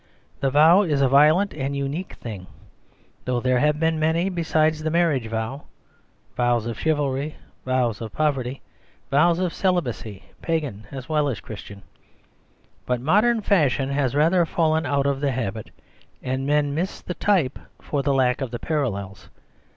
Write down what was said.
The vow is a violent and unique thing; though there have\ been many besides the marriage vow; v6ws of chivalry, vows The Superstition of Divorce 21 •/ of poverty, vows of celibacy, pagan as well as Christian. But modern fashion has rather fallen out of the habit ; and men miss the type for the lack of the parallels.